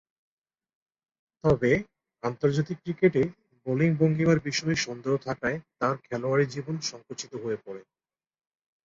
তবে, আন্তর্জাতিক ক্রিকেটে বোলিং ভঙ্গীমার বিষয়ে সন্দেহ থাকায় তার খেলোয়াড়ী জীবন সঙ্কুচিত হয়ে পড়ে।